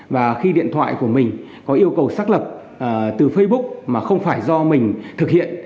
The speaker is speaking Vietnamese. và khi điện thoại của mình có yêu cầu xác lập từ facebook mà không phải do mình thực hiện